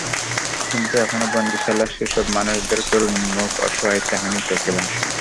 কিন্তু এখনো বন্দিশালার সেসব মানুষদের করুণ মুখ, অসহায় চাহনি চোখে ভাসে।